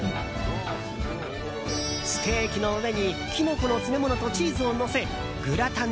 ステーキの上にキノコの詰め物とチーズをのせグラタン